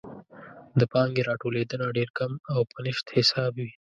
د پانګې راټولیدنه ډېر کم او په نشت حساب وي.